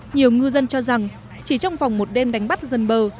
nhiều ngư dân cho rằng chỉ trong vòng một đêm đánh bắt gần bờ